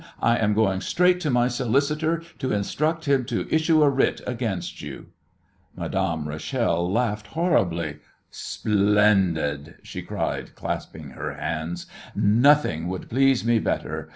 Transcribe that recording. I am going straight to my solicitor to instruct him to issue a writ against you." Madame Rachel laughed horribly. "Splendid," she cried, clapping her hands. "Nothing would please me better.